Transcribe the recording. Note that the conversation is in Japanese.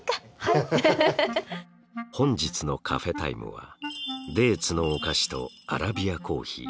本日のカフェタイムはデーツのお菓子とアラビアコーヒー。